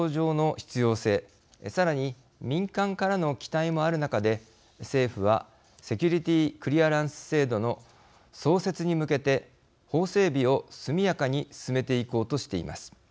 さらに民間からの期待もある中で政府はセキュリティークリアランス制度の創設に向けて法整備を速やかに進めていこうとしています。